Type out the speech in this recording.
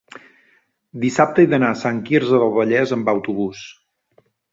dissabte he d'anar a Sant Quirze del Vallès amb autobús.